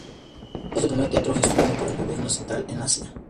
Es el primer teatro gestionado por el gobierno central en Asia.